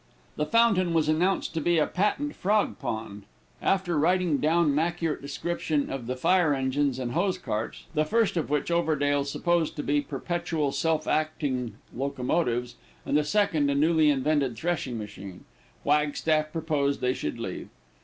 The fountain was announced to be a patent frog pond. After writing down an accurate description of the fire engines and hose carts (the first of which Overdale supposed to be perpetual self acting locomotives, and the second a newly invented threshing machine), Wagstaff proposed they should leave.